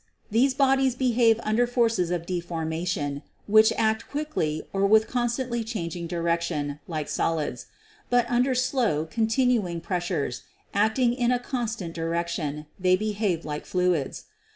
These bodies behave under forces of de formation, which act quickly or with constantly changing direction, like solids; but under slow, long continued pres sures, acting in a constant direction, they behave like fluids.